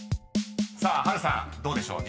［さあ波瑠さんどうでしょう？